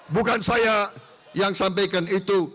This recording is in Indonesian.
bukan saya yang sampaikan itu